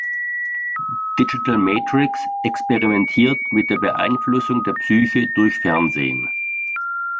Digital Matrix experimentiert mit der Beeinflussung der Psyche durch Fernsehen.